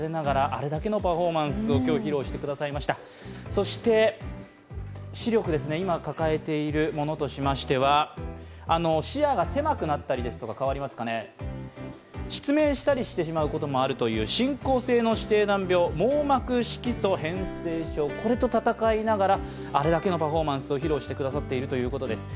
そして視力、今抱えているものとしましては視野が狭くなったりですとか失明してしまったりすることもある進行性の指定難病、網膜色素変性症これと闘いながらあれだけのパフォーマンスを披露してくださっているということです。